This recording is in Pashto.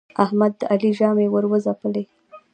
احمد د علي ژامې ور وځبلې.